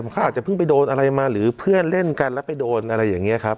เขาอาจจะเพิ่งไปโดนอะไรมาหรือเพื่อนเล่นกันแล้วไปโดนอะไรอย่างนี้ครับ